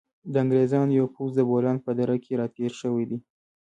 د انګریزانو یو پوځ د بولان په دره کې را تېر شوی دی.